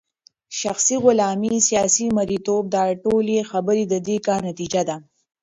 شخصي غلامې ، سياسي مريتوب داټولي خبري ددي كار نتيجه ده